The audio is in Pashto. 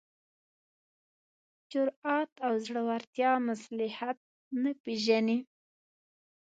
جرات او زړورتیا مصلحت نه پېژني.